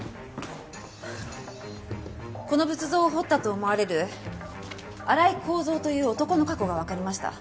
この仏像を彫ったと思われる荒井孝蔵という男の過去がわかりました。